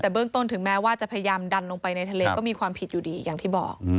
แต่เบื้องต้นถึงแม้ว่าจะพยายามดันลงไปในทะเลก็มีความผิดอยู่ดีอย่างที่บอก